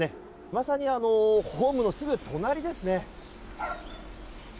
まさに、ホームのすぐ隣ですね。